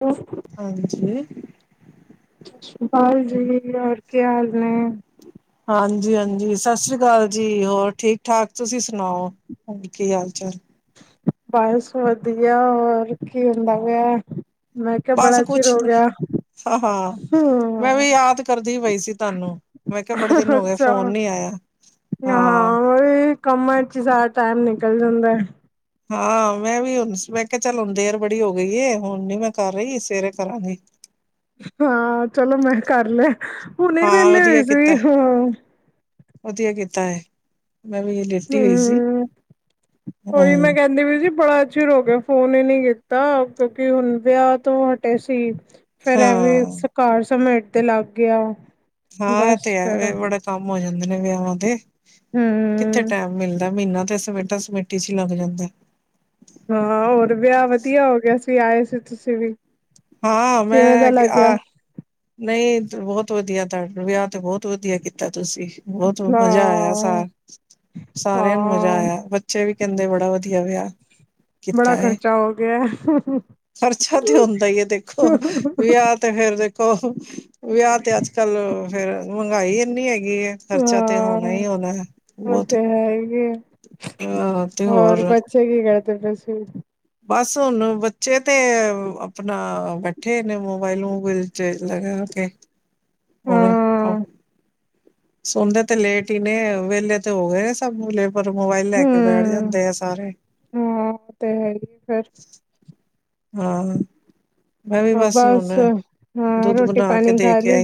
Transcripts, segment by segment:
ਅ [inaudible] ਹਾਂਜੀ ਗੋਪਾਲ ਜੀ, ਹੋਰ ਕੀ ਹਾਲ ਨੇ ਹਾਂਜੀ, ਹਾਂਜੀ ਸਤਿ ਸ੍ਰੀ ਅਕਾਲ ਜੀ, ਹੋਰ ਠੀਕ ਠਾਕ ਤੁਸੀਂ ਸੁਣਾਓ ਹੋਰ ਕੀ ਹਾਲ ਚਾਲ ਬਸ ਵਧੀਆ ਹੋਰ ਕੀ ਹੁੰਦਾ ਪੇਆ ਮੈਂ ਕਿਹਾ ਬਸ ਬੜਾ ਚਿਰ ਕੁਛ ਹੋ ਨੀ ਗਯਾ ਹਾਂ ਹਾਂ ਮੈਂ ਵੀ ਯਾਦ ਕਰਦੀ ਪਈ ਸੀ ਤੁਹਾਨੂੰ, ਮੈਂ ਕਿਹਾ ਬੜੇ ਦਿਨ ਹੋ ਗਏ ਅੱਛਾ ਫੋਨ ਨੀ ਆਇਆ ਹਾਂ ਉਹ ਵੀ ਕੰਮਾਂ ਚ ਸਾਰਾ ਟਾਈਮ ਨਿਕਲ ਜਾਂਦਾ ਐ ਹਾਂ ਮੈਂ ਵੀ ਹੁਣ ਮੈਂ ਕਿਹਾ ਚੱਲ ਹੁਣ ਦੇਰ ਬੜੀ ਹੋ ਗਈ ਏ, ਹੁਣ ਨੀ ਮੈਂ ਕਰ ਰਹੀ ਸਵੇਰੇ ਕਰਾਂਗੀ ਹਾਂ ਚਲੋ ਮੈਂ ਕਰ ਲਿਆ ਹੁਣੇ ਈ ਹਾਂ ਵੇਲੀ ਵਧੀਆ ਹੋਈ ਕੀਤਾ ਸੀ ਹਾਂ ਵਧੀਆ ਕੀਤਾ ਹੈ ਮੈਂ ਵੀ ਲੇਟੀ ਹੋਈ ਸੀ ਹੂ, ਹਾਂ ਉਹੀ ਮੈਂ ਕਹਿੰਦੀ ਵੀ ਜੀ ਬੜਾ ਚਿਰ ਹੋ ਗਿਆ ਫੋਨ ਹੀ ਨੀ ਕੀਤਾ ਕਿਉਂਕਿ ਹੁਣ ਵਿਆਹ ਤੋਂ ਹਟੇ ਸੀ ਫਿਰ ਏਵੀ ਹਾਂ ਸਕਾਰ ਸਮੇਟਣ ਲੱਗ ਗਯਾ ਔ ਹਾਂ ਇਹ ਤੇ ਹੈ, ਬੜੇ ਕੰਮ ਹੋ ਜਾਂਦੇ ਨੇ ਵਿਆਹਾਂ ਵਾਂ ਤੇ ਹੂ ਕਿੱਥੇ ਟਾਈਮ ਮਿਲਦਾ, ਮਹੀਨਾ ਤੇ ਸਮੇਟਾ ਸਮੇਟੀ ਚ ਹੀ ਲੱਗ ਜਾਂਦਾ ਹਾਂ ਹੋਰ ਵਿਆਹ ਵਧੀਆ ਹੋ ਗਿਆ ਸੀ, ਆਏ ਸੀ ਤੁਸੀਂ ਵੀ ਹਾਂ ਕਿਵੇਂ ਦਾ ਮੈਂ ਲੱਗਿਆ ਕਿਆ ਨਹੀਂ ਬਹੁਤ ਵਧੀਆ ਤੁਡ ਵਿਆਹ ਤੇ ਬਹੁਤ ਵਧੀਆ ਕੀਤਾ ਤੁਸੀਂ ਬਹੁਤ ਮਜ਼ਾ ਆਇਆ ਹਾਂ ਸਾਰ ਸਾਰਿਆਂ ਨੂੰ ਮਜਾ ਹਾਂ ਆਇਆ ਬ ਬੱਚੇ ਵੀ ਕਹਿੰਦੇ ਬੜਾ ਵਧੀਆ ਵਿਆਹ ਬੜਾ ਖ਼ਰਚਾ ਹੋ ਗਯਾ ਐ ਖ਼ਰਚਾ ਤੇ ਹੁੰਦਾ ਹੀ ਆ ਦੇਖੋ, ਵਿਆਹ ਤੇ ਫੇਰ ਦੇਖੋ ਵਿਆਹ ਤੇ ਅਜ ਕਲ ਫੇਰ ਮਹਿੰਗਾਈ ਇੰਨੀ ਹੈਗੀ ਹੈ ਖ਼ਰਚਾ ਤੇ ਹੋਣਾ ਹਾਂ ਹੀ ਹੋਣਾ ਉਹ ਬਹੁਤ, ਤੇ ਹੈ ਹੀ ਅਹ ਤੇ ਹੋਰ ਚਗੀ ਕਿੜਤ ਡ ਸੀ [unintelligible] ਬਸ ਹੁਣ ਬੱਚੇ ਤੇ ਆਪਣਾ ਬੈਠੇ ਹੋਏ ਨੇ ਮੋਬਾਇਲ ਮੁਬਾਇਲ ਲਗਾ ਕੇ ਹੋਰ ਹਾਂ ਸੋਂਦੇ ਤੇ ਲੇਟ ਹੀ ਨੇ, ਵੇਹਲੇ ਤੇ ਹੋ ਗਏ ਨੇ ਸਭ ਪਰ ਮੋਬਾਈਲ ਲੈ ਕੇ ਬੈਠ ਹਮ ਜਾਂਦੇ ਐ ਸਾਰੇ ਹਾਂ ਉਹ ਤੇ ਹੈ ਹੀ ਫੇਰ ਹਾਂ ਮੈਂ ਵੀ ਹੋਰ ਬਸ ਹੁਣ ਹਾਂ ਦੁੱਧ ਰੋਟੀ ਪਾਣੀ ਖਾ ਲਈ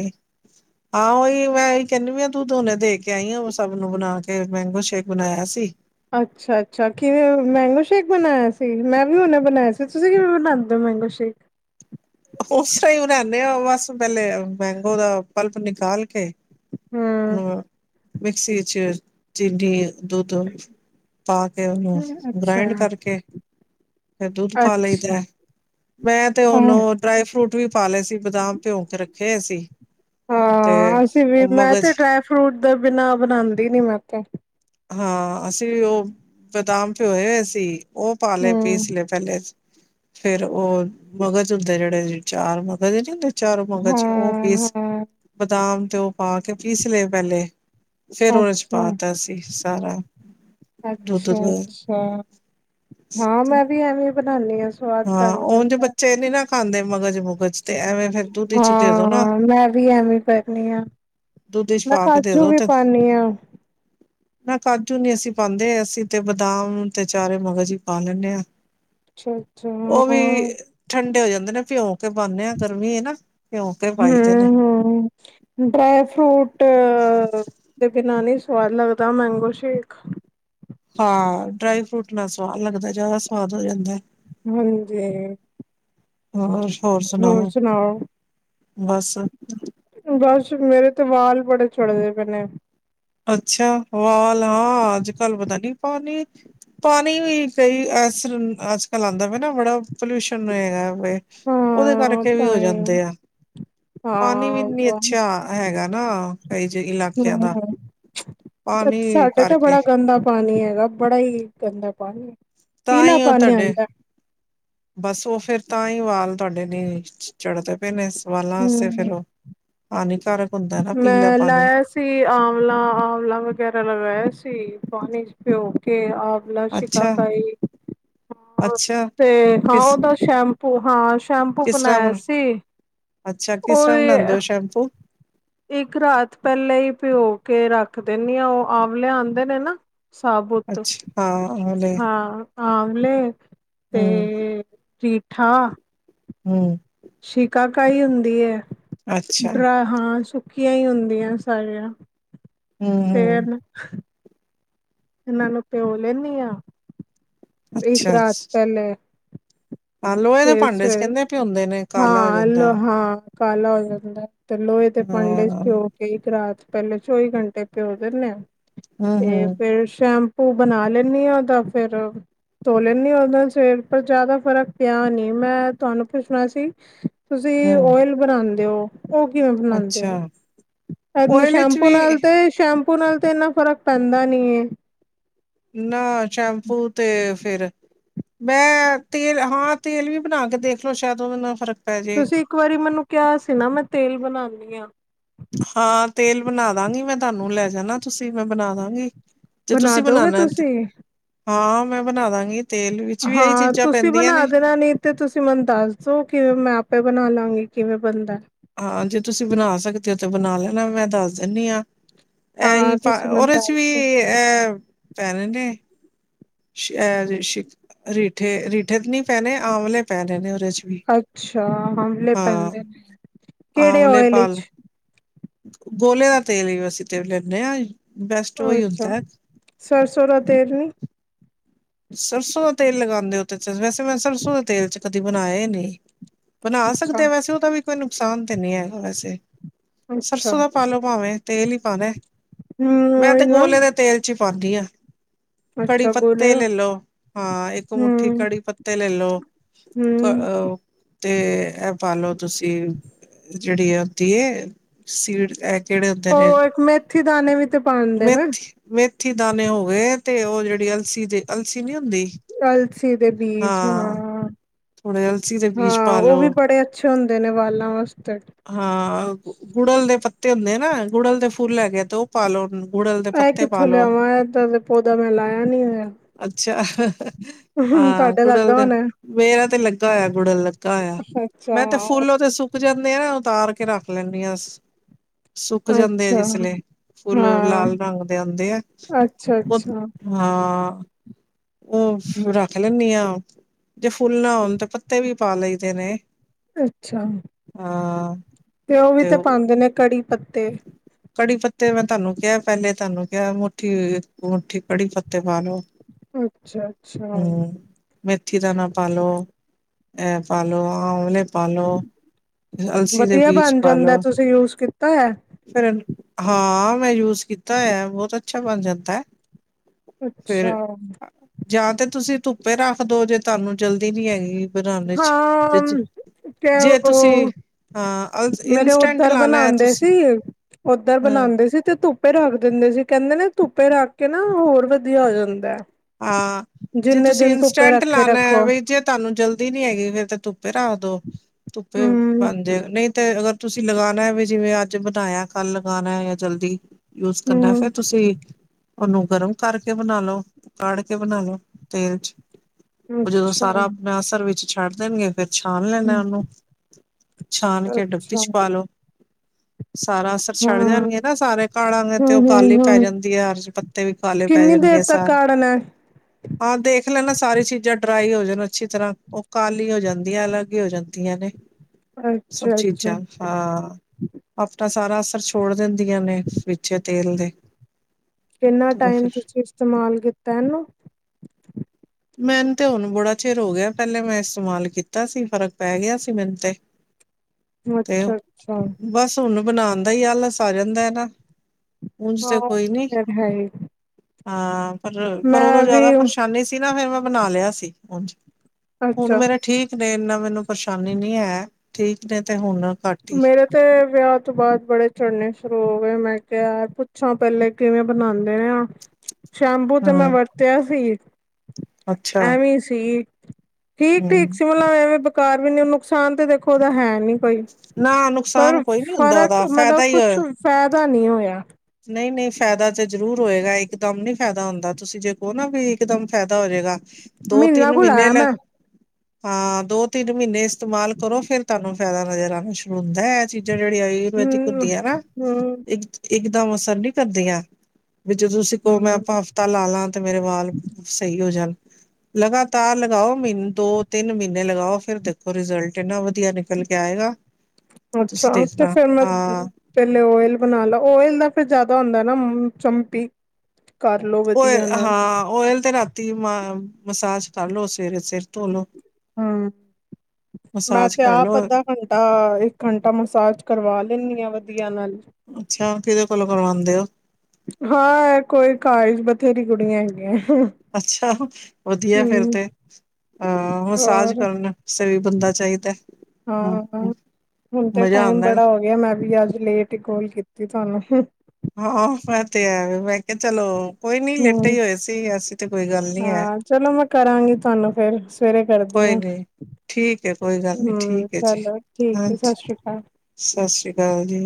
ਆਹ ਉਹੀ ਮੈਂ ਉਹੀ ਕਹਿੰਦੀ ਪਈਆ ਦੁਧ ਹੁਨੇ ਬਣਾ ਦੇ ਕੇ ਆਈ ਆ ਸਭ ਨੂੰ ਬਣਾ ਕੇ ਮੈਂਗੋ ਸ਼ੇਕ ਬਣਾਇਆ ਸੀ ਅੱਛਾ, ਅੱਛਾ ਕਿਵੇਂ ਮੈਂਗੋ ਸ਼ੇਕ ਬਣਾਇਆ ਸੀ ਮੈਂ ਵੀ ਹੁਨੇ ਬਣਾਇਆ ਸੀ ਤੁਸੀਂ ਕਿਵੇਂ ਬਣਾਂਦੇ ਹੋ ਮੈਂਗੋ ਸ਼ੇਕ ਉਸ ਆ ਬਨਾਨੇ ਆ ਬਸ ਪੈਲੇ ਮੈਂਗੋ ਦਾ ਪਲਪ ਨਿਕਲ ਕੇ ਹਮ ਉਹ ਮਿਕਸੀ ਵਿੱਚ ਚੀਨੀ ਦੁੱਧ ਪਾ ਕੇ ਉਹਨੂੰ ਅੱਛਾ ਗ੍ਰਾਇੰਡ ਕਰਕੇ ਫਿਰ ਦੁੱਧ ਪਾ ਲਈਦਾ ਅੱਛਾ ਮੈਂ ਤੇ ਉਹਨੂੰ ਡਰਾਈ ਫਰੂਟ ਵੀ ਪਾ ਲਏ ਸੀ ਬਦਾਮ ਭਿਉਂ ਕੇ ਰੱਖੇ ਸੀਂ ਹਾਂ ਅਸੀਂ ਵੀ ਮੈਂ ਤੇ ਡਰਾਈ ਫਰੂਟ ਦੇ ਬਿਨਾ ਬਣਾਂਦੀ ਨੀ ਮੈਂ ਤੇ ਹਾਂ ਅਸੀਂ ਵੀ ਉਹ ਬਦਾਮ ਭੇਓਏ ਹੋਏ ਸੀ ਉਹ ਪਾ ਲਏ ਹਮ ਪੀਸ ਲਏ ਪੈਲੇ ਫੇਰ ਉਹ ਮਗਜ਼ ਹੁੰਦੇ ਜਿਹੜੇ ਚਾਰ ਮਗਜ਼ ਨੀ ਹੁੰਦੇ ਚਾਰੋ ਮਗਚ ਉਹ ਹਾਂ ਪੀਸ ਹਾਂ ਬਦਾਮ ਤੇ ਉਹ ਪਾ ਕੇ ਪੀਸ ਲਏ ਪੈਲੇ ਫੇਰ ਉਹ ਵਿੱਚ ਅੱਛਾ ਪਾਤਾ ਸੀ ਸਾਰਾ ਦੁੱਧ ਅੱਛਾ ਵ ਅੱਛਾ ਹਾਂ ਮੈਂ ਵੀ ਐਵੇਂ ਬਣਾਦੀ ਹ ਹਾਂ ਉਂਝ ਬੱਚੇ ਨੀ ਨਾ ਖਾਂਦੇ ਮਗਜ਼ ਮੁਗਜ਼ ਤੇ ਐਵੇਂ ਫੇਰ ਦੁੱਧ ਚ ਹੀ ਦੇ ਦੋ ਨਾ ਹਾਂ ਮੈਂ ਵੀ ਐਵੇਂ ਕਰਨੀ ਆ ਦੁੱਧ ਚ ਮੈਂ ਪਾ ਕੇ ਦੇ ਕਾਜੂ ਦੋ ਵੀ ਤੇ ਪਾਨੀ ਹਾਂ ਨਾ ਕਾਜੂ ਨੀ ਅਸੀਂ ਪਾਂਦੇ ਅਸੀਂ ਤੇ ਬਦਾਮ ਤੇ ਚਾਰੇ ਮਗਜ਼ ਹੀ ਪਾ ਲੈਂਦੇ ਹਾਂ ਅੱਛਾ ਉਹ ਵੀ ਹਾਂ ਠੰਡੇ ਹੋ ਜਾਂਦੇ ਨੇ ਭਿਉਂ ਕੇ ਪਾਂਦੇ ਆ ਗਰਮੀ ਨਾ ਭਿਉਂ ਕੇ ਪਾਈਦੇ ਨੇ ਹੁੰ ਡਰਾਈ ਫਰੂਟ ਓਦੇ ਤੋ ਬਿਨਾਂ ਨਹੀਂ ਸਵਾਦ ਲੱਗਦਾ ਮੈਂਗੋ ਸ਼ੇਕ ਹਾਂ ਡਰਾਈ ਫਰੂਟ ਨਾਲ ਸਵਾਦ ਲੱਗਦਾ ਜਿਆਦਾ ਸਵਾਦ ਹੋ ਜਾਂਦਾ ਹਾਂਜੀ ਹੋਰ ਸੁਣਾਓ ਬਸ ਬਸ ਮੇਰੇ ਤੇ ਵਾਲ ਬੜੇ ਝੜਦੇ ਪੇ ਣੇ ਅੱਛਾ ਵਾਲ ਹਾਂ ਅੱਜ ਕੱਲ ਪਤਾ ਨੀ ਪਾਣੀ ਪਾਣੀ ਵੀ ਕਈ ਐਸ ਅੱਜ ਕੱਲ੍ਹ ਆਂਦਾ ਪੇ ਨਾ ਬੜਾ ਪੋਲਿਊਸ਼ਨ ਹੈਗਾਵੇ ਉਹਦੇ ਹਾਂ ਕਰਕੇ ਵੀ ਹੋ ਤਾਂਹੀ ਜਾਂਦੇ ਆ ਪਾਣੀ ਵੀ ਹਾਂ ਨੀ ਵਾਹ, ਅੱਛਾ ਹੈਗਾ ਨਾ ਕਈ ਜਿ ਇਲਾਕਿਆਂ ਦਾ ਬਟ ਪਾਣੀ ਸਾਡੇ ਤੇ ਕਰਕੇ ਬੜਾ ਗੰਦਾ ਪਾਣੀ ਹੈਗਾ ਬੜਾ ਹੀ ਗੰਦਾ ਪਾਣੀ ਤਾਂ ਪੀਲਾ ਹੀ ਉਹ ਪਾਣੀ ਤੁਹਾਡੇ ਆਂਦਾ ਬਸ ਉਹ ਫੇਰ ਤਾਂ ਹੀ ਵਾਲ ਤੁਹਾਡੇ ਨ ਚੜਦੇ ਪਏ ਨੇ ਵਾਲਾਂ ਵਾਸਤੇ ਹਮ ਫਿਰ ਉਹ ਹਾਨੀਕਾਰਕ ਹੁੰਦਾ ਨਾ ਪੀਲਾ ਮੈਂ ਪਾਣੀ ਲਾਇਆ ਸੀ ਆਂਵਲਾ ਆਂਵਲਾ ਵਗੈਰਾ ਲਗਾਇਆ ਸੀ ਪਾਣੀ ਚ ਭੇਂਓ ਕੇ ਆਵਲਾ ਸ਼ਿਕਾ ਅੱਛਾ ਕਾਈ ਅੱਛਾ ਤੇ ਹਾਂ ਕਿਸ ਉਹਦਾ ਸ਼ੈਂ ਹਾਂ ਸ਼ੈਂਪੂ ਕਿਸ ਤਰ੍ਹਾਂ ਬਣਾਇਆ ਬਣ- ਸੀ ਉਹ ਟੈਂਪੋ ਇੱਕ ਰਾਤ ਪੈਲੇ ਹੀ ਭੇਂਓ ਕੇ ਰੱਖ ਦਿੰਦੀ ਆ ਉਹ ਆਂਵਲੇ ਆਂਦੇ ਨੇ ਨਾ ਸਾਬੂਤ ਅੱਛਾ ਹਾਂ ਹਲੇ ਹਾਂ ਆਮਲੇ ਤੇ ਹਮ ਰੀਠਾ ਹੁੰ। ਸ਼ਿਕਾਕਾਹੀ ਹੁੰਦੀ ਏ ਅੱਛਾ ਡਰਾ ਹਾਂ ਸੁੱਕੀਆਂ ਹੀ ਹੁੰਦੀਆਂ ਸਾਰੀਆਂ ਹਮ ਤੇ ਹਮ ਇਹਨਾਂ ਨੂੰ ਪਿਉ ਲੈਂਦੀ ਐ। ਇੱਕ ਅੱਛਾ ਰਾਤ ਅੱਛਾ। ਪਹਿਲੇ। ਹਾਂ ਲੋਹੇ ਦੇ ਤੇ ਭਾਂਡੇ ਚ ਸੇਵਰੇ ਕਹਿੰਦੇ ਭਿਉਂਦੇ ਨੇ ਕਾਲਾ ਹੋ ਹਾਂ ਜਾਂਦਾ ਅਲੌ ਹੈ ਹਾਂ ਕਾਲਾ ਹੋ ਜਾਂਦਾ ਐ। ਤੇ ਲੋਹੇ ਦੇ ਭਾਂਡੇ ਚ ਹਾਂ ਪਿਓ ਕ ਰਾਤ ਪਹਿਲੇ ਚੌਵੀ ਘੰਟੇ ਪਿਓ ਦਿੰਦੇ ਹ ਹਮ ਤੇ ਹਮ ਫੇਰ ਸ਼ ਉਹ ਬਣਾ ਲੈਣੀ ਐ, ਤਾ ਫੇਰ ਧੋ ਲੈਣੀ ਹ ਉਹਦਾ ਸਿਰ ਪਰ ਜ਼ਿਆਦਾ ਫਰਕ ਪੀਆ ਨਹੀਂ ਮੈਂ ਤੁਹਾਨੂੰ ਪੁੱਛਣਾ ਸੀ ਤੁਸੀਂ ਹਮ ਓਇਲ ਬਣਾਉਦੇ ਹੋ? ਉਹ ਕਿਵੇਂ ਬਣਨੇ ਅੱਛਾ ਹੋ ਅਨ ਓਇਲ ਵਿੱਚ ਸ਼ੈਂਪੂ ਵੀ ਨਾਲ ਤੇ ਸ਼ੈਂਪੂ ਪੂ ਨਾਲ ਤੇ ਇੰਨਾ ਫ਼ਰਕ ਪੈਂਦਾ ਨੀ ਐ। ਨਾ ਸ਼ੈਂਪੂ ਤੇ ਫਿਰ ਮੈਂ ਤੇਲ ਹਾਂ ਤੇਲ ਵੀ ਬਣਾ ਕੇ ਦੇਖਲੋ ਸ਼ਾਇਦ ਉਹ ਮੈਨੂੰ ਫ਼ਰਕ ਪੈ ਜੇ ਤੁਸੀਂ ਇੱਕ ਵਾਰੀ ਮੈਨੂੰ ਕਿਹਾ ਸੀ ਨਾ ਮੈਂ ਤੇਲ ਬਣਨੀ ਐ। ਹਾਂ ਤੇਲ ਬਣਾ ਦਾਂਗੀ ਮੈਂ ਤੁਹਾਨੂੰ ਲੈ ਜਾਣਾ ਤੁਸੀਂ ਮੈਂ ਬਣਾ ਦਾਂਗੀ। ਤੇ ਬਣਾ ਤੁਸੀਂ ਦੋਗੇ ਬਣਾਣਾਥ ਤੁਸੀਂ ਹਾਂ ਮੈਂ ਬਣਾ ਦਾਂਗੀ। ਤੇਲ ਵਿੱਚ ਵੀ ਇਹੀ ਹਾਂ, ਚੀਜ਼ਾਂ ਤੁਸੀਂ ਪੈਂਦੀਆਂ ਬਣਾ ਨੇ ਦੇਣਾ ਨੀ ਤੇ ਤੁਸੀਂ ਮੈਨੂੰ ਦੱਸ ਦੋ ਕਿ ਮੈਂ ਆਪੇ ਬਣਾ ਲੰਗੀ ਕਿਵੇਂ ਬਣਦਾ ਐ। ਹਾਂ ਜੇ ਤੁਸੀਂ ਬਣਾ ਸਕਦੇ ਹੋ ਤਾਂ ਬਣਾ ਲੈਣਾ ਮੈਂ ਦੱਸ ਦਿੰਦੀ ਐ। ਐਹੀ ਹਾਂ ਤੁਸੀਂ ਮੈਨੂੰ ਉਹਦੇ ਚ ਦੱਸ ਵੀ ਦੋ ਅਹ ਪੈਣੇ ਨੇ ਰੀਠੇ -ਰੀਠੇ ਤੇ ਨੀ ਪੈਣੇ ਆਮਲੇ ਪੈਣੇ ਨੇ ਉਹਦੇ ਚ ਵੀ ਅੱਛਾ, ਆਮਲੇ ਹਾਂ ਪੈਂਦੇ ਨੇ ਕਿਹੜੇ ਆਮਲੇ ਓਇਲ ਪਾਲ ਵਿੱਚ? ਗੋਲੇ ਦਾ ਤੇਲ ਹੀ ਅਸੀਂ ਤੇ ਲੈਂਦੇ ਐ। ਅੱਛਾ, ਸਰਸੋਂ ਦਾ ਤੇਲ ਨਹੀਂ? ਸਰਸੋਂ ਦਾ ਤੇਲ ਲਗਾਂਦੇ ਹੋ ਵੈਸੇ ਮੈਂ ਸਰਸੋਂ ਦਾ ਤੇਲ ਚੇ ਕਦੀ ਬਣਾਇਆ ਹੀ ਨਹੀਂ। ਬਣਾ ਅੱਛਾ ਸਕਦੇ ਵੈਸੇ ਉਹਦਾ ਵੀ ਕੋਈ ਨੁਕਸਾਨ ਤੇ ਨਹੀ ਹੈਗਾ ਵੈਸੇ ਅੱਛਾ ਸਰਸੋਂ ਦਾ ਪਾਲੋ ਭਾਵੇਂ ਤੇਲ ਹੀ ਪੰਨਾ ਹਮ ਮੈਂ ਤੇ ਉਹੀ ਨਾ ਗੋਲੇ ਦੇ ਤੇਲ ਚ ਹੀ ਪੰਨੀ ਐ। ਕੜੀ ਅੱਛਾ ਗੋਲੇ ਪੱਤੇ ਦਾ ਲੈ ਲੋ ਹਾਂ ਇੱਕ ਮੁੱਠੀ ਹਮ ਕੜੀ ਪੱਤੇ ਲੈ ਲੋ ਹਮ ਤੇ ਪਾ ਲੋ ਤੁਸੀਂ ਜਿਹੜੀ ਆ ਉਹਦੀਏ ਸੀਡ ਕਿਹੜੇ ਹੁੰਦੇ ਨੇ ਉਹ ਇੱਕ ਮੇਥੀ ਦਾਣੇ ਵੀ ਤੇ ਪਾਉਦੇ ਨਾ ਮੇਥੀ ਮੇਥੀ ਦਾਣੇ ਹੋ ਗਏ ਤੇ ਉਹ ਜਿਹੜੀ ਅਲਸੀ ਦੀ ਅਲਸੀ ਨੀ ਹੁੰਦੀ ਕਲਸੀ ਦੇ ਬੀਚ ਹਾਂ। ਥੋੜੇ ਅਲਸੀ ਦੇ ਬੀਜ ਹਾਂ, ਉਹ ਪਾਲੋ ਵੀ ਬੜੇ ਅੱਛੇ ਹੁੰਦੇ ਨੇ ਬਾਲਾ ਵਾਲਾਂ ਵਾਸਤੇ। ਹਾਂ ਗੁੜਲ ਦੇ ਪੱਤੇ ਹੁੰਦੇ ਨਾ ਗੁੜਲ ਦੇ ਫੁੱਲ ਹੈਗੇ ਤੇ ਉਹ ਪਾ ਲੋ। ਇਹ ਕਿੱਥੋਂ ਲਿਆਵਾਂ ਏਦਾਂ ਪੌਦਾ ਮੈਂ ਲਾਇਆ ਨੀ ਹੋਇਆ। ਅੱਛਾ। ਹਾ ਤੁਹਾਡੇ ਗੁੜਲ ਲੱਗਾ ਦਾ ਹੋਣਾ ਮੇਰਾ ਤੇ ਲੱਗਾ ਹੋਇਆ ਗੁੜਲ ਲੱ। ਮੈਂ ਤੇ ਅੱਛਾ ਫੁੱਲ ਉਹ ਤੇ ਸੁੱਕ ਜਾਂਦੇ ਆ ਨਾ ਉਤਾਰ ਕੇ ਰੱਖ ਲੈਦੀ ਐ। ਸੁੱਕ ਜਾਂਦੇ ਆ ਅੱਛਾ ਜਿਸ ਲੇ ਫੁੱਲ ਹਾਂ ਲਾਲ ਰੰਗ ਦੇ ਆਂਦੇ ਆ ਅੱਛਾ ਉ ਅੱਛਾ ਹਾਂ ਉਹ ਰੱਖ ਲੈਂਦੀ ਐ। ਜੇ ਫੁੱਲ ਨਾ ਹੋਣ ਤੇ ਪੱਤੇ ਵੀ ਪਾ ਲਈਦੇ ਨੇ। ਅੱਛਾ। ਹਾਂ ਤੇ ਉਹ ਵੀ ਤੇ ਪਦੇ ਨੇ ਕੜੀ ਪੱਤੇ ਕੜੀ ਪੱਤੇ ਮੈਂ ਤੁਹਾਨੂੰ ਕਿਹਾ ਪਹਿਲੇ ਤੁਹਾਨੂੰ ਕਿਹਾ ਮੁਠੀ -ਮੁੱਠੀ ਕੜੀ ਪੱਤੇ ਪਾ ਲੋ। ਅੱਛਾ -ਅੱਛਾ। ਮੈਥੀ ਦਾਨਾ ਪਾ ਲੋ। ਇਹ ਪਾ ਲੋ, ਆਮਲੇ ਪਾ ਲੋ, ਅਲ਼ਸੀ ਦੇ ਬੀਜ਼ ਪਾ ਲੋ ਯੂਜ਼ ਕੀਤ ਤੋ ਐ ਫਿਰ ਉਨੂ, ਹਾਂ ਮੈਂ ਯੂਜ਼ ਕੀਤਾ ਹੋਇਆ, ਬਹੁਤ ਅੱਛਾ ਬਣ ਜਾਂਦਾ। ਅੱਛਾ। ਫਿਰ ਜਾਂ ਤੇ ਤੁਸੀਂ ਧੁੱਪੇ ਰੱਖਦੋ, ਜੇ ਤੁਹਾਨੂੰ ਜਲਦੀ ਨੀ ਹੈਗੀ। ਬਰਾਂਡੇ 'ਚ ਹਾਂ ਇਚ ਤੇ ਜੇ ਉਹ ਤੁਸੀਂ ਹਾਂ ਮੇਰੇ ਇੰਸਟੈਂਟ ਉੱਧਰ ਲਾਣਾ ਹੈ ਬਨਾਂਦੇ ਤੁਸੀਂ ਸੀ। ਉੱਧਰ ਹਾਂ ਬਨਾਂਦੇ ਸੀ ਤੇ ਧੁੱਪ ਧੁੱਪੇ ਰੱਖ ਦਿੰਦੇ ਸੀ, ਕਹਿੰਦੇ ਨੇ ਧੁੱਪੇ ਰੱਖ ਕੇ ਨਾ, ਹੋਰ ਵਧੀਆ ਹੋ ਜਾਂਦਾ। ਹਾਂ, ਜੇ ਜਿੰਨੇ ਤੁਸੀਂ ਦਿਨ ਧੁੱਪੇ ਇੰਸਟੈਂਟ ਰੱਖੇ ਲਾਨਾ, ਰੱਖੋ ਵ‌ਈ ਜੇ ਤੁਹਾਨੂੰ ਜਲਦੀ ਨੀ ਹੈਗੀ, ਫੇਰ ਤੇ ਧੁੱਪੇ ਰੱਖ ਦੋ। ਧੁੱਪੇ ਹਮ ਬਣ ਜੇ। ਨਹੀਂ ਤੇ ਅਗਰ ਤੁਸੀਂ ਲਗਾਣਾ, ਵੀ ਜਿਵੇਂ ਅੱਜ ਬਣਾਇਆ ਕੱਲ੍ਹ ਲਗਾਣਾ, ਜਾਂ ਜਲਦੀ ਯੂਜ ਕਰਨਾ। ਹਮ ਫੇਰ ਤੁਸੀਂ ਉਹਨੂੰ ਗਰਮ ਕਰਕੇ ਬਣਾਲੋ ਕੜ ਕੇ ਬਣਾਉਣੇ ਓ ਤੇਲ 'ਚ ਉਹ ਜਦੋਂ ਅੱਛਾ ਸਾਰਾ ਆਪਣਾ ਅਸਰ ਵਿੱਚ ਛੱਡ ਦੇਣਗੇ, ਫਿਰ ਛਾਣ ਲੈਂਣਾਂ ਉਹਨੂੰ। ਛਾਨ ਕੇ ਡੱਬੀ ਅੱਛਾ 'ਚ ਪਾ ਲੋ। ਸਾਰਾ ਅਸਰ ਛੱਡ ਹਾਂ ਜਾਣਏ ਨਾ। ਸਾਰੇ ਕਾੜਾਂ ਗੇ ਤੇ ਉਹ ਹਮ ਕਾਲੀ ਹਮ ਪੈ ਹਮ ਜਾਂਦੀ ਆ। ਔਰ ਜੇ ਪੱ ਤੇ ਵੀ ਕਾਲੇ ਪੈ ਜਾਣਗੇ ਸਾਰ ਤਾਂ ਮੈਂ। ਹਾਂ, ਦੇਖ ਲੈਣਾ ਸਾਰੀ ਚੀਜ਼ਾਂ ਡਰਾਈ ਹੋ ਜਾਣ ਅੱਛੀ ਤਰ੍ਹਾਂ। ਉਹ ਕਾਲੀ ਹੋ ਜਾਂਦੀਆਂ, ਅਲੱਗ ਈ ਹੋ ਜਾਂਦੀਆਂ ਨੇ਼। [inaudible] ਸਭ ਅੱਛਾ ਚੀਜ਼ਾਂ ਹਾਂ। ਆਪਣਾ ਸਾਰਾ ਅਸਰ ਛੋੜ ਦਿੰਦ ਆਂ ਨੇ ਵਿੱਚੇ ਤੇਲ ਦੇ ਕਿੰਨਾ ਤੇ ਉਹ ਟਾਈਮ ਫਿਰ ਤੁਸੀਂ ਇਸਤਮਾਲ ਕੀਤਾ ਏਨੂੰ? ਮੈਨੂੰ ਤੇ ਹੁਣ ਬੜਾ ਚਿਰ ਹੋ ਗਿਆ। ਪੈਲੇ ਮੈਂ ਇਸਤਮਾਲ ਕੀਤਾ ਸੀ, ਫ਼ਰਕ ਪੈ ਗਿਆ ਸੀ ਮੈਨੂੰ ਤੇ। [inaudible] ਤੇ ਅੱਛਾ ਬਸ ਹੁਨ, ਬਣਾਂਨ ਦਾ ਈ ਆਲਸ ਆ ਜਾਂਦਾ ਐ ਨਾ। ਉਝ ਹਾਂ ਤੇ ਉਹ ਕੋਈ ਨੀ। ਫਿਰ ਹੈ ਹੀ ਹਾਂ, ਪਰ-ਪਰ ਓਦੋਂ ਮੈਂ ਵੀ ਜਾਦਾ ਪਰਸ਼ਾਨੀ ਸੀ ਨਾ। ਫੇਰ ਮੈਂ ਬਣਾ ਲਿਆ ਸੀ, ਉਝ। ਹੁਣ ਅੱਛਾ ਮੇਰੇ ਠੀਕ ਨੇ, ਏਨਾ ਮੈਨੂੰ ਪਰੇਸ਼ਾਨੀ ਨੀ ਹੈ। ਠੀਕ ਨੇ ਤੇ ਹੁਣ ਘੱਟ ਹੀ ਮੇਰੇ ਤੇ ਵਿਆਹ ਤੋਂ ਬਾਦ ਬੜੇ ਝੜਨੇ ਸ਼ੁਰੂ ਹੋਗੇ। ਮੈਂ ਕਿਆ ਪੁੱਛਾਂ ਪੈਲੇ ਕਿਵੇਂ ਬਣਾਂਦੇ ਨੇ ਓ? ਸ਼ੈਂਪੂ ਤੇ ਮੈਂ ਹਮ ਵਰਤਿਆ ਸੀ। ਅੱਛਾ ਐਵੈ ਈ ਸੀ। ਠੀਕ-ਠੀਕ ਹਮ ਸੀ। ਮਲਬ, ਐਵੇਂ ਬੇਕਾਰ ਵੀ ਨੀ। ਨੁਕਸਾਨ ਤੇ ਦੇਖੋ, ਓਦਾ ਹੈ ਨੀ ਕੋਈ। ਨਾ ਨੁਕਸਾਨ ਕੋਈ ਨੀ ਹੁੰਦਾ ਓਦਾ। ਫੈਦਾ ਈ ਓ ਫੈਦਾ ਨੀ ਹੋਇਆ। ਨਈ-ਨਈ ਫੈਦਾ ਜੇ ਜਰੂਰ ਹੋਏਗਾ। ਇਕਦਮ ਨੀ ਫੈਦਾ ਹੁੰਦਾ। ਤੁਸੀਂ ਜੇ ਕੋ ਨਾ, ਵੀ ਇਕਦਮ ਫੈਦਾ ਹੋਜੇਗਾ। ਮਹੀਨਾ ਦੋ-ਤਿੰਨ ਕੁ ਮੀਨੇ ਲਾਇਆ ਲ ਮੈਂ ਹਾਂ, ਦੋ-ਤਿੰਨ ਮੀਨੇ ਇਸਤਮਾਲ ਕਰੋ। ਫੇਰ ਤਾਂਨੂੰ ਫੈਦਾ ਨਜ਼ਰ ਆਣਾ ਸ਼ੁਰੂ ਹੁੰਦੈ। ਏ ਚੀਜ਼ ਤੇ ਜੇੜੀ ਆਯੁਰਵੈਦਿਕ ਹਮ ਹੁੰਦੀਆਂ ਨਾ, ਹਮ ਇਕ-ਇਕਦਮ ਅਸਰ ਨੀ ਕਰਦੀਆਂ। ਵਿਚੋਂ ਤੁਸੀ ਕ‌ਉ, ਮੈਂ ਹਮ ਆਪਾਂ ਹਫ਼ਤਾ ਲਾ-ਲਾ ਤੇ ਮੇਰੇ ਵਾਲ ਸ‌ਈ ਹੋ ਜਾਨ। ਲਗਾਤਾਰ ਲਗਾਓ। ਮਿਨ ਦੋ-ਤਿੰਨ ਮੀਨੇ ਲਗਾਓ, ਫਿਰ ਦੇਖੋ ਰਿਜ਼ਲਟ, ਏਨਾ ਵਧੀਆ ਨਿਕਲ ਕੇ ਆਏਗਾ। ਅੱਛਾ ਤੁਸੀਂ ਤੇ ਦੇਖਣਾ ਫੇਰ ਮੈਂ ਦਿਨ ਹਾਂ ਪੈਲੈ ਓਇਲ ਬਣਾ ਲਓ। ਓਇਲ ਦਾ ਫਿਰ ਜਾਦਾ ਹੁੰਦਾ ਨਾ, ਮੂ ਚਮਪੀ ਕਰ ਲੋ ਓਇਲ ਵਧੀਆ ਨਾਲ ਹਾਂ ਓਇਲ ਤੇ ਰਾਤੀ ਮ ਮਸਾਜ ਕਰ ਲੋ ਸਵੇਰੇ ਸਿਰ ਤੋ ਲੋ। ਹਾਂ ਮੈਂ ਮਸਾਜ ਤੇ ਕਰਲੋ ਆਪ ਅੱਧਾ ਘੰਟਾ ਇੱਕ ਘੰਟਾ ਮਸਾਜ ਕਰਵਾ ਲੈਣੀ ਆ ਵਧੀਆ ਨਲ। ਅੱਛਾ ਕਿੱਦੇ ਕੋਲੋਂ ਕਰਵਾਂਦੇ ਓ? ਹਾਂ ਐ ਕੋਈ ਘਰ ਵਿੱਚ ਬਥੇਰੀ ਕੁੜੀਆਂ ਹੈਗੀਆ। ਅੱਛਾ ਵਧੀਆ ਫੇਰ ਤੇ ਅ ਮਸਾਜ ਹੋਰ ਕਰਨ। ਸਈ ਬੰਦਾ ਚਾਈਦਾ। ਹਾਂ ਹਾਂ ਹੁਣ ਤੇ ਮਜ਼ਾ ਟਾਈਮ ਆਉਂਦਾ ਬੜਾ ਹੋ ਗਿਆ ਮੈਂ ਵੀ ਅੱਜ ਲੇਟ ਈ ਕੋਲ ਕੀਤੀ ਥੋਆਂਨੂੰ। ਹਾਂ ਹਾਂ ਐ ਤੇ ਹੈ ਮੈਂ ਕਿਆ ਚਲੋ। ਕੋਈ ਨੀ ਲੇਟੇ ਹੂੰ ਹੀ ਹੋਏ ਸੀ ਐਸੀ ਤੇ ਕੋਈ ਗੱਲ ਨੀ ਹੈ। ਹਾਂ ਚਲੋ ਮੈਂ ਕਰਾਂਗੀ ਤੁਆਨੂੰ ਫੇਰ। ਸਵੇਰੇ ਕਰਦੀ ਕੋਈ ਆ। ਨੀ ਠੀਕ ਹੈ ਕੋਈ ਗੱਲ ਨੀ ਹੂੰ ਠੀਕ ਚਲੋ ਠੀਕ ਆ ਸਸ ਸ਼੍ਰੀਕਾਲ। ਸਸ ਸ੍ਰੀਕਾਲ ਜੀ।